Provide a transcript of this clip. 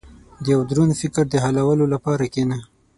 • د یو دروند فکر د حلولو لپاره کښېنه.